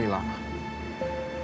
aku mau berbohong sama kamu